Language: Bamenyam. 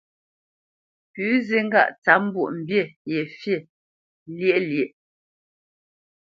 Pʉ̌ zi ŋgâʼ tsǎp mbwoʼmbî ye fî lyéʼ lyéʼ.